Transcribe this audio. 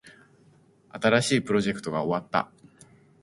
新しいプロジェクトが始まりました。